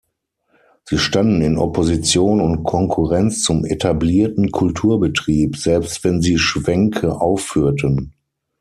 Sie standen in Opposition und Konkurrenz zum etablierten Kulturbetrieb, selbst wenn sie Schwänke aufführten.